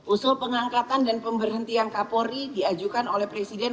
usul pengangkatan dan pemberhentian kapolri diajukan oleh presiden